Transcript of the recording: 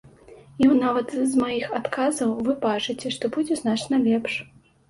І нават з маіх адказаў вы бачыце, што будзе значна лепш.